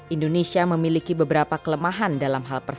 indonesia memiliki beberapa kelemahan dalam hal tersebut